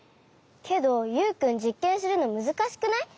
けどユウくんじっけんするのむずかしくない？